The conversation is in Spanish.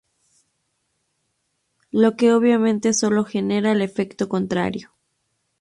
Lo que obviamente solo genera el efecto contrario.